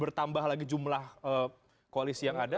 bertambah lagi jumlah koalisi yang ada